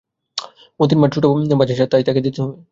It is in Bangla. মোতির মার ছোটো ভাজের সাধ, তাই তাকে দিতে হবে।